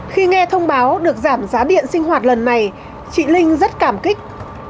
khi nghe thông báo được giảm giá điện sinh hoạt lần này chị linh rất cảm kích